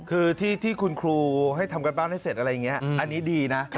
คือที่คุณครูให้ทำการบ้านให้เสร็จอะไรอย่างนี้อันนี้ดีนะ